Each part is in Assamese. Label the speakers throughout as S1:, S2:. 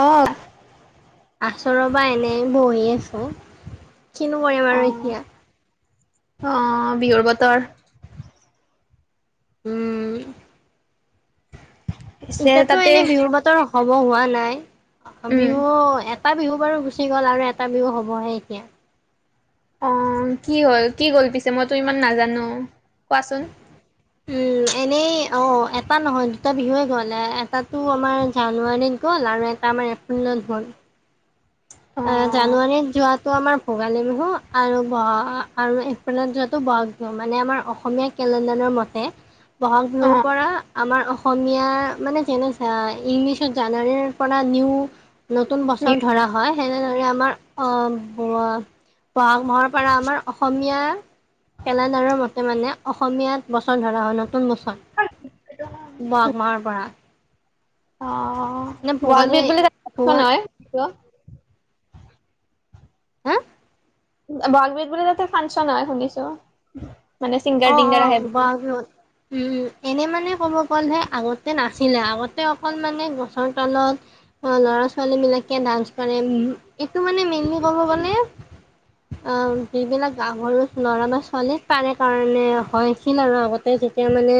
S1: অ।
S2: আছোঁ ৰ'বা এনেই বহি আছোঁ কিনো কৰিম আৰু এতিয়া।
S1: অহ বিহুৰ বতৰ।
S2: উম।
S1: পিছে
S2: এতিয়াতো
S1: তাতে
S2: এনে বিহুৰ বতৰ হ'ব হোৱা নাই,
S1: উম,
S2: বিহু এ এটা বিহু বাৰু গুচি গ'ল আৰু এটা বিহু হ'বহে এতিয়া।
S1: অ কি হ'ল কি গ'ল পিছে মইতো ইমান নাজানো। কোৱাচোন
S2: উম এনেই। অ এটা নহয় দুটা বিহুৱে গ'ল এটাটো আমাৰ জানুৱাৰীত গ'ল আৰু এটা আমাৰ এপ্ৰিলত। [unintelligible] এ,
S1: অ',
S2: জানুৱাৰীত যোৱাটো আমাৰ ভোগালী বিহু আৰু ব-আৰু এপ্ৰিলত যোৱাটো বহাগ বিহু মানে আমাৰ অসমীয়া কেলেণ্ডাৰৰ মতে বহাগ বিহুৰ
S1: অ',
S2: পৰা। আমাৰ অসমীয়াৰ মানে যেনে আ, ইংলিছত জানুৱাৰীৰ পৰা নিউ নতুন
S1: নি
S2: বছৰ ধৰা হয়। তেনেদৰে আমাৰ অহ বহাগ মাহৰ পৰা আমাৰ অসমীয়া। কেলেণ্ডাৰৰ মতে মানে অসমীয়াত বছৰ ধৰা হয়, নতুন বছৰ বহাগ মাহৰ পৰা।
S1: অ',
S2: মানে
S1: বহাগ
S2: ভোগালী
S1: বিহু বুলিত বুলি কথা
S2: ভোগাল
S1: নহয়।
S2: হা।
S1: বহাগ বিহুত বোলে তাতে ফাংচন হয় শুনিছো। মানে ছিংগাৰ
S2: অ অ
S1: টিংগাৰ আহে বুলি
S2: বহাগ বিহুত উম এনে মানে। মানে ক'ব গ'লে আগতে নাছিলে আগতে অকল মানে গছৰ তলত। ল'ৰা ছোৱালী বিলাকে ডান্স কৰে এইটো মানে মেইনলি ক'ব গ'লে। অ', যিবিলাক গাঁৱৰ ল'ৰা বা ছোৱালী পাৰে কাৰণে হয় [unintelligible] আৰু আগতে যেতিয়া মানে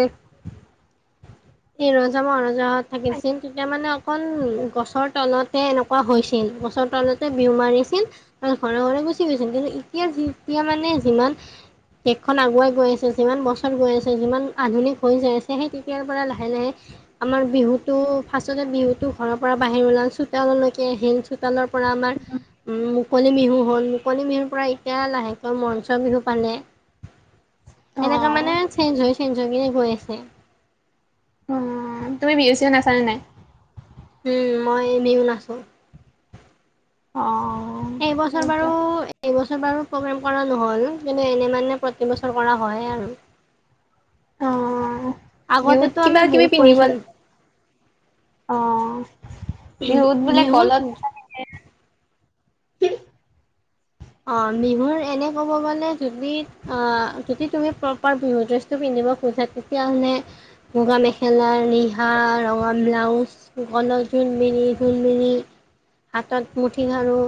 S2: এ ৰজা মহা। থাকিছিল তেতিয়া মানে অকল। উম গছৰ তলতে এনেকুৱা হৈছিল গছৰ তলতে বিহু মাৰিছিল আৰু ঘৰে ঘৰে গুচি। [unintelligible] খন আগুৱাই গৈ আছে, যিমান বছৰ গৈ আছে, যিমান আধুনিক হৈ যাই আছে, সেই তেতিয়াৰ পৰা লাহে-লাহে আমাৰ বিহুটো ফাৰ্ষ্টতে বিহুটো ঘৰৰ পৰা বাহিৰ ওলাল চোতাললৈকে আহিল চোতালৰ পৰা আমাৰ উ মুকলি বিহু হ'ল। মুকলি বিহুৰ পৰা এতিয়া লাহেকৈ মঞ্চ বিহু পালে। এনেকে
S1: অ',
S2: মানে চেঞ্জ হৈ চেঞ হৈ কিনে গৈ আছে।
S1: অ' তুমি বিহু চিহু নাচানে নাই?
S2: উম, মই বিহু নাছো।
S1: অ'
S2: এইবছৰ বাৰু
S1: সেইটো
S2: এইবছ ছৰ বাৰু প্ৰগ্ৰেম কৰা নহ'ল কিনো এনে মানে প্ৰতি বছৰ কৰা হয় আৰু।
S1: অ', বিহুত
S2: আগতেতো
S1: কিবা
S2: আমি
S1: কিবি
S2: বয়োগ
S1: পিন্ধিব
S2: কৰিছিল।
S1: অ' বিহুত বোলে গলত
S2: বিহুত অ' বিহুৰ এনে ক'ব গলে যদি অ' যদি তুমি প্ৰপাৰ বিহু দেছটো পিন্ধ [unintelligible] তেতিয়া মানে, মূগা মেখেলাৰ আউজ, গলত জোনবিৰি ঢোলবিৰি। হাতত মুঠি খাৰু,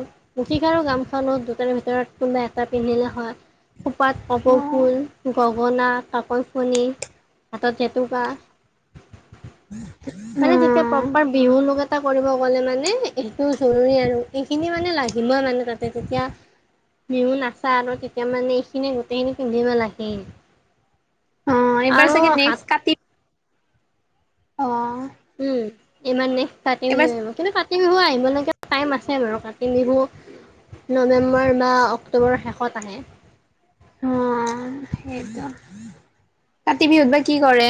S2: মুঠি খাৰু গাম খাৰু দু ভিতৰত কোনোবা এটা পিন্ধিলে হয়। খোপাত কপৌ
S1: অ',
S2: ফুল, গ বনা, কাকৈ ফণি মানে যেতিয়া
S1: অ',
S2: প্ৰপাৰ বিহু লগত আ কৰিব গ'লে মানে হেটো জৰুৰী আৰু এখিনি মানে লাগিবই মানে তাতে তেতিয়া বিহু নাচা আৰু তেতিয়া মানে এখিনি গোটেইখিনি পিন্ধিব লাগেই।
S1: অ' এবাৰ চাগে নেক্স কাতি অ।
S2: উ ইমান নেক্স কাতি বিহু
S1: এইবাৰ
S2: আহিব কিন্তু কাতি বিহু আহিবলেকে টাইম আছ আৰু কাতি বিহু নৱেম্বৰ বা অক্টোবৰৰ শেষত আহে।
S1: অ' সেইটো। কাতি বিহুত বা কি কৰে?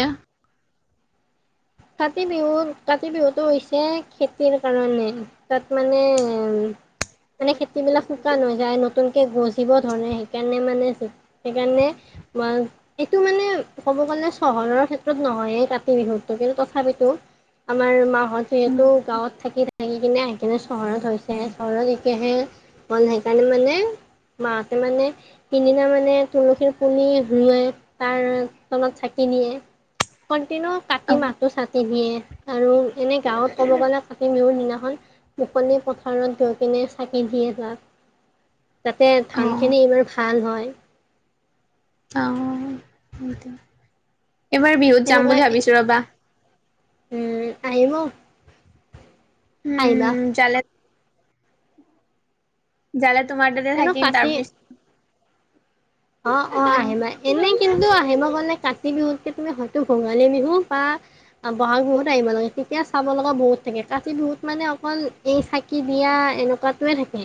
S2: কাতি বিহুত, কাতি বিহুতটো হৈছে খেতিৰ কাৰণে তাত মানে মানে খেতি বিলাক শুকান হৈ যায়, নতুনকে গজিব ধৰে হেকাৰণে মানে উ সেইকাৰণে উৱা, এইটো মানে ক'ব গ'লে চহৰৰ ক্ষেত্ৰত নহয়ে কাতি বিহুত। অ' কিনো তথাপিতো আমাৰ মাহত যিহেতু গাঁৱত থাকি থা থাকি কিনে আহি কিনে চহৰত হৈছে, চহৰত এতিয়াহে ম বোলো হেইকাৰণে মানে মাহতে মানে তিনিদিনা মানে তুলসীৰ পুলি ধুৱাই তাৰ তলত চাকি নিয়ে, কণ্টিনিও কাটি
S1: অ',
S2: মাহটো চাটি নিয়ে আৰু এনে গাঁৱত ক'ব গ'লে কাতি বিহুৰ দিনাখন মুকলি পথাৰত গৈ কিনে চাকি দিয়ে তাক, যাতে
S1: অ',
S2: ধানখিনি এইবাৰ ভাল হয়।
S1: অ' হ'ব দিয়। এবাৰ বিহুত যাম বুলি ভাবিছোঁ ৰ'বা।
S2: উ আহিব। আহিবা
S1: উম জালে জালা তোমাৰ ততে
S2: এনে
S1: থাকিম তাৰ পিছ
S2: অ', অ' আহে মা এনে কিন্তু আহি মই গ'লে কাতি বিহুতকে তুমি হয়তো ভোগালী বিহু বা ব'হাগ বিহুত আহিব লাগে, তেতিয়া চাব লগা বহুত থাকে, কাতি বিহুত মানে অকল এই চাকি দিয়া আ এনেকুৱাটোৱে থাকে।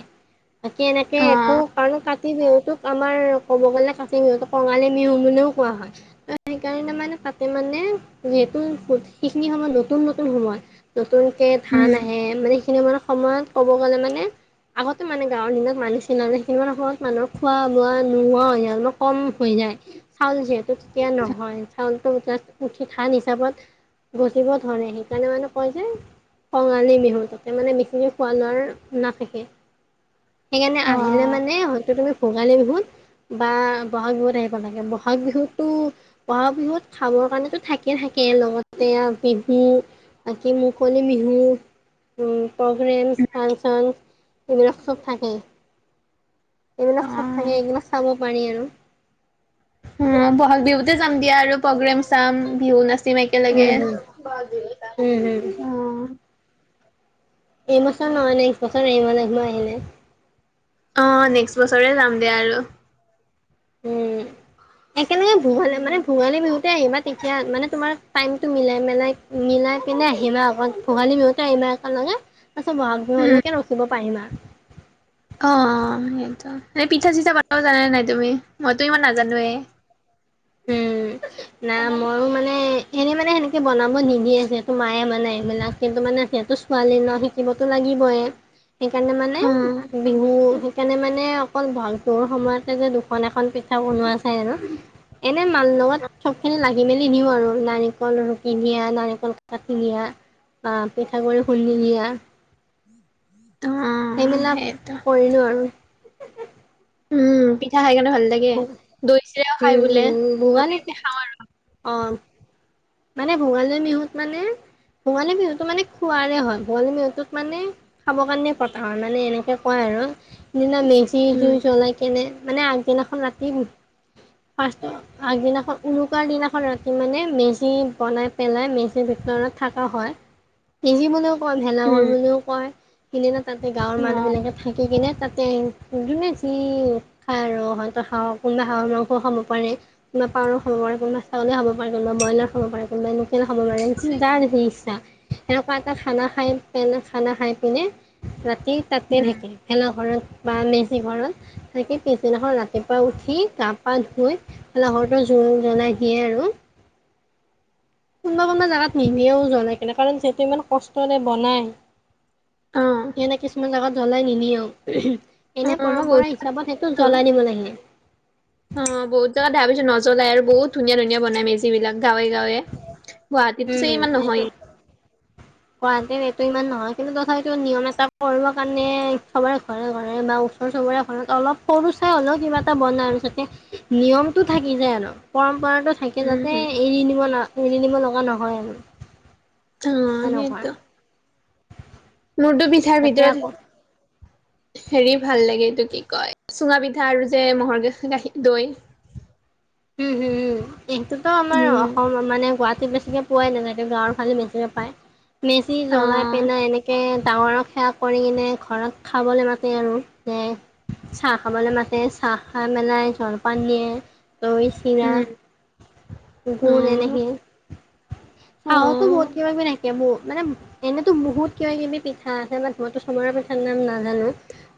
S2: বাকী এনেকে একো
S1: অ',
S2: কাৰ, কাতি বিহুতোক আমাৰ ক'ব গ'লে কাতি বিহুত কঙালী বিহু বুলিও কোৱা হয় ত সেইকাৰণে মানে কাতি মানে যিয়ে নতুন, সেইখিনি সময়ত নতুন-নতুন সময়, নতুনকে ধান
S1: উম,
S2: আহে মানে সেইখিনি সময়ত সময়ত ক'ব গ'লে মানে আগতে মানে গাঁৱৰ দিনাক মানুহ চিনা যে [unintelligible] মানুহ খোৱা, বোৱা নোহোৱা হৈ যায় আৰু কম হৈ যায়। চাউল যিহেতু তেতিয়া নহয় চাউলটো মুঠি থান হিচাপত গজিব ধৰে হেইকাৰণে মানে কয় যে কঙালী বিহু তাতে মানে বিখিনি খোৱা লোৱাৰ নাথাকে। হেকাৰণে আহিলে
S1: অ',
S2: মানে হয়তো তুমি ভোগালী বিহুত বা বহাগ বিহুত আহিব লাগে। বহাগ বিহুতো বহাগ বিহুত খাব কাৰণো থাকিয়ে থাকে। তাকে লগতে বিহু বাকী মুকলি বিহু প্ৰগ্ৰেমছ ফাংচনছ এইবিলাক চব থাকে
S1: অ',
S2: এইবিলাক চব থাকে
S1: অ',
S2: এইবিলাক চাব পাৰি আৰু
S1: অ বহাগ বিহুতে যাম দিয়া আৰু প্ৰগ্ৰেম চাম বিহু নাচ। চিমে কে লাগে
S2: উম হম উম হম এইবছৰ নহয় নেক্সট বছৰ এই মাহ মই আহিলে
S1: অ নেক্সট বছৰে যাম দে আৰু।
S2: উম একেেলগে ভঙালে
S1: উম,
S2: মানে ভোগালী বিহুত। আহিবা তেতিয়া মানে তোমাৰ টাইমটো মিলাই মেলাই মিলাই পিনে আহিবা আকত ভোগালী বিহুতে আহিবা একেলগে তাৰপিছত বহাগ
S1: উম,
S2: বিহলৈকে ৰখিব পাৰিম আৰু
S1: অ সেইটো এ পিঠা চিঠা বন জানে নাই তুমি মইতো ইমান নাজানোৱে
S2: উম না
S1: বনালো।
S2: মইয়ো মানে এনে মানে সেনেকে বনাব নিদিয়ে যিহেতু মায়ে মানে এইবিলাক কিন্তু মানে সিহেতু ছোৱালী ন শিকিবতো লাগি
S1: অ',
S2: [unintelligible] কেনে মানে অকল ভালটোৰ সময়তে যে দুখন এখন পিঠা বনোৱা চায় আৰু এনে মাল লগত চব খিনি লাগে। মেলি নিওঁ আৰু নাৰিকল ৰুকি নিয়া নাৰিকল কটা নিয়া আহ পিঠাগুড়ি খুন্দি দিয়া
S1: [unintelligible]
S2: সেইবিলাক
S1: সেইটো
S2: কৰিলো আৰু
S1: উম পিঠা খাই কাৰণে ভাল লাগে
S2: উম
S1: দৈ চিৰাও খাই বোলে আমি
S2: ভোগালী
S1: ইয়াতে খাওঁ আৰু
S2: অ মানে ভোগালী বিহুত মানে ভোগালী বিহুটো মানে খুৱাৰে হয় ভোগালী বিহুটোত মানে খাব কাৰণে পতা হয় মানে এনেকে কয় আৰু সিদিনা মেজি
S1: উম,
S2: জুই জ্বলাই কেনে মানে আগদিনাখন ৰাতি পাৰ আগদিনাখন উৰুকাৰ দিনাখন ৰাতি মানে মেজ মেজি বনাই পেলাই মেজি ভিতৰত থকা হয় মিজিবলৈও কয় ভেলাঘৰ
S1: উম,
S2: বুলিও কয়। সিদিনা তাতে গাঁৱৰ
S1: অ',
S2: মানুহবিলাকে থাকি কিনে। তাতে যোনে যি খায় আৰু হয়তো হাঁহৰ কোনোবা হাঁহৰ মাংসও খাব পাৰে পাৱাৰো খাব পাৰ্বনবোৰ ছাগলী খাব পাৰিবা ব্ৰয়লাৰ খাব পাৰে কোনোবা লোকেল খাব পাৰে যাৰ সেই ইচ্ছা সেনেকুৱা এটা খানা খাই পনে খানা খাই পিনে ৰাতি। স তাতে
S1: উম,
S2: থাকে খেলা ধ বা মেজি ঘৰত থাকে পিছদিনাখন ৰাতিপুৱা উঠি গা -পা ধুই ঘৰটোৰ জোৰ জ্বলাই দিয়ে আৰু। কোনোবা কোনোবা জোগাত নিমিয়েও জ্বলাই কেনে কাৰণ যিহেতু ইমান কষ্টৰে বনায়
S1: অ',
S2: সেইবোৰ কিছুমান জাগাত জ্বলাই নিনিও এনে
S1: অ', মই
S2: পৰম্পৰা
S1: বহুত
S2: হিচাপত সেইটো
S1: খাইছো।
S2: জ্বলাই দিব লাগিলে।
S1: জ্বলাই আৰু বুত ধুনীয়া ধুনীয়ানাই মেজ বিলাক গাঁৱে, গাঁৱে গুৱাহাটীতো যে
S2: উম,
S1: ইমান
S2: এইটো
S1: নহয়
S2: গুৱাহাটীত এইটো ইমান নহয় কিন্তু তথাপিতো নিয়ম এটা কৰিবৰ কাৰণে সবৰে ঘৰে ঘৰে বা ওচৰ চবৰে ঘৰত অলপ সৰু চাই হ'লেও কিবা এটা বনায় আৰু যাতে নিয়মটো থাকি যায় আৰু পৰম কৰা থাকে
S1: উম,
S2: যাতে,
S1: উম,
S2: এৰি নিব ন এৰি নিব লগা নহয় আৰু
S1: অঁ
S2: সেনেকুৱা
S1: সেইটো নুডু পিঠাৰ
S2: যাতে আকৌ
S1: ভিতৰত। হেৰি ভাল লাগে এইটো কি কয় চুঙা পিঠা আৰু যে ম'হৰ গা গাখীৰ দৈ
S2: উম হুম হ এইটোতো আমাৰ
S1: অ',
S2: অসম মানে গোৱাত। বেছিকে পোৱাই নাযায়ে গাঁৱৰ ফালে মেজিকে পায়। মেজি জ্বলাই
S1: অ',
S2: পেনাই এনেকে ডাঙৰক সেৱা কৰি কিনে ঘৰত খাবলৈ মাতে আৰু যে। চাহ খাবলৈ মাতে চাহ খাই মেলাই জলপান দিয়ে দৈ
S1: অ'।
S2: চিৰা কুকুৰ
S1: উম।
S2: এনেকে খাওঁতো বহুত
S1: অ',
S2: দিনৰ থাকে মোৰ মানে এনেতো বহুত কিবা কিবি পিঠা আছে বাট মইতো চমৰা পিঠাৰ নাম নাজানোঁ।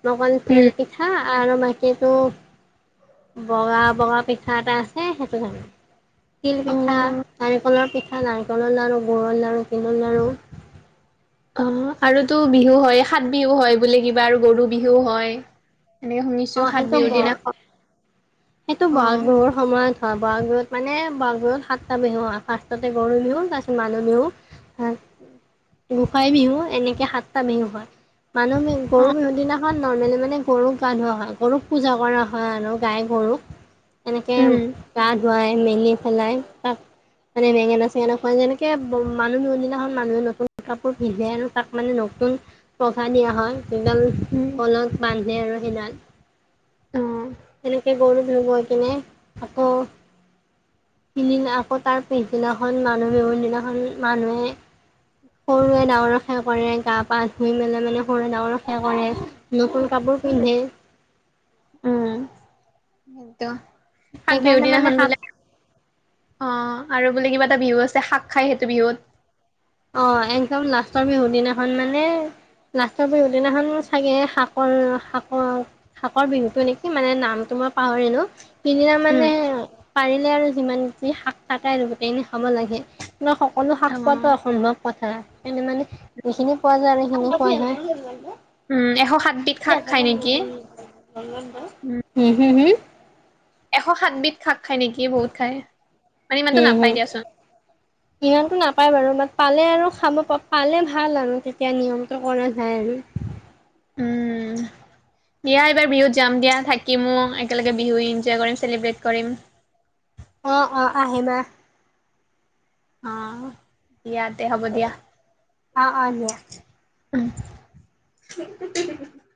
S2: মকন তেল পিঠা আৰু মাটি বগা বগা পিঠা কথা এটা আছে সেইটো জানোঁ তিল পিঠা নাৰিকলৰ পিঠা নাৰিকলৰ লাড়ু গুড়ৰ লাড়ু তিলৰ লাড়ু [inaudible]
S1: অঁ আৰুতো বিহু হয়, সাত বিহু হয় বুলি কিবা আৰু গৰু বিহু হয় এনেকে শুনিছো
S2: উওঅ
S1: সাত
S2: সেইটো
S1: বিহুৰ
S2: ব
S1: দিনা অ',
S2: সেইটো বহাগ
S1: অ',
S2: বিহুৰ সময়ত হয় বহাগ বিহত মানে বহাগ বিহত সাতটা বিহু হয়, ফাৰ্ষ্টতে গৰু বিহু তাৰপিছত মানুহ বিহু। হয়, গোসাই বিহু এনেকে সাতটা বিহু হয়। মানুহ বি গৰু বিহু দিনাখন নৰ্মেলি মানে গৰুক গা ধোৱা হয়। গৰুক পূজা কৰা হয় আৰু গাই গৰুক তেনেকে
S1: উম,
S2: গা ধুৱাই। মিলি পেলাই তাক মানে বেঙেনা চেঙেনা খুৱাই যেনেকে মানুহ বিহু দিনাখন মানুহে নতুন কাপোৰ পিন্ধে আৰু তাক মানে ন নতুন পঘা দিয়া হয় সেইডাল
S1: উম,
S2: গলত বান্ধে আৰু সেইডাল।
S1: অ',
S2: তেনেকে গৰু বিহু গৈ কিনে আকৌ সিদিনা আকৌ তাৰ পিছদিনাখন মানুহ বিহু দিনাখন মানুহে সৰুৱে ডাঙৰক সেৱা কৰে গা পা ধুই মেলাই মানে সৰু ডাঙৰক সেৱা কৰে নতুন কাপোৰ পিন্ধে
S1: উম, সেইটো সাত বিহুৰ
S2: সেইকাৰণে মানে
S1: দিনাখনখন
S2: সাত
S1: বোলে অ আৰু বোলে কিবা এটা বিহু আছে শাক খাই সেইটো বিহুত।
S2: অ একদম লাষ্টৰ বিহু দিনাখন মানে লাষ্টৰ বিহু দিনাখন চাগে শাকৰ শাকৰ শাকৰ বিহুটো নিকি মানে নামটো মই পাহৰিলো। সিদিনা
S1: উম,
S2: মানে পাৰিলে আৰু যিমান যি শাক থাকে আৰু গোটেইখিনি খাব লাগে। আপোনাৰ সকলো শাক পোৱাটো
S1: অ',
S2: অসম্ভৱ কথা। সে মানে যিখিনি পোৱা যায় আৰু সিখিনি খোৱা হয়।
S1: উম, এশ সাতবিধ শাক খাই নেকি? উম,
S2: [unintelligible] হুম হুম হুম
S1: এশ সাতবিধ শাক খাই নেকি বহুত খাই মানে ইমানটো
S2: হম
S1: নাপাই দিয়াচোন।
S2: পায় বাৰু পালে আৰু খাব পালে ভাল আৰু তেতিয়া নিয়মটো কৰা যাই আৰু।
S1: উম দিয়া এইবাৰ বিহুত যাম দিয়া থাকিমো একেলগে বিহু এনজয় কৰিম চেলিব্ৰেট কৰিম।
S2: অ অ আহিবা।
S1: অ, দিয়া তে হ'ব দিয়া।
S2: অ'অ' দিয়া।
S1: উ [unintelligible]